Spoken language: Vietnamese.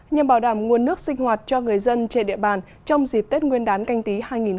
nhằm bảo đảm nguồn nước sinh hoạt cho người dân trên địa bàn trong dịp tết nguyên đán canh tí hai nghìn hai mươi